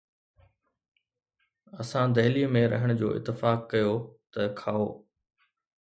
اسان دهليءَ ۾ رهڻ جو اتفاق ڪيو، ته کائو؟